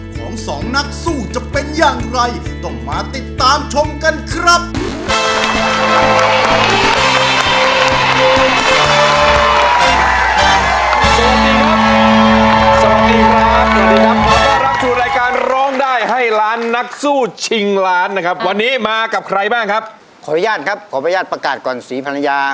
ขออนุญาตครับขออนุญาตประกาศขวามศีรภรรยา